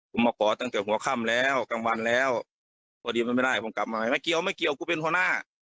ผมมาขอตั้งแต่หัวค่ำแล้วกลางวันแล้วพอดีมันไม่ได้ผมกลับมาใหม่ไม่เกี่ยวไม่เกี่ยวกูเป็นหัวหน้า